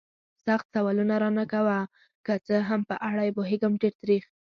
سخت سوالونه را نه کوه. که څه هم په اړه یې پوهېږم، ډېر تریخ.